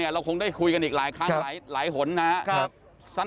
เราคงได้คุยกันอีกหลายครั้งหลายหนนะครับ